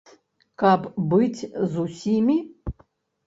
Каб быць з усімі?